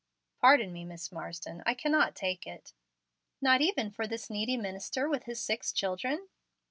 "Pardon me, Miss Marsden, I cannot take it." "Not even for this needy minister with his six children?"